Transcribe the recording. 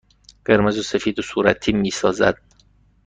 قرمز و سفید صورتی می سازند.